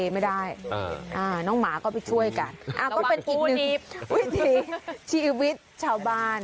ไม่ได้อ่าน้องหมาก็ไปช่วยกันอ่าต้องเป็นอีกหนึ่งชีวิตชาวบ้าน